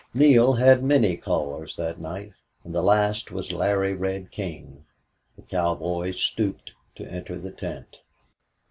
Neale had many callers that night, and the last was Larry Red King. The cowboy stooped to enter the tent.